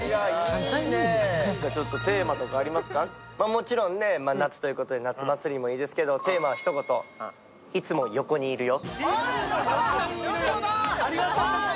もちろん夏ということで夏祭りもいいですけどテーマは一言、いつも横にいるよ。